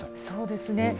そうですね。